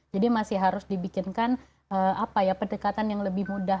jadi masih harus dibikinkan apa ya pendekatan yang lebih mudah